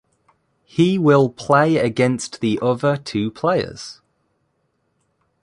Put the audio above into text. He will play against the other two players.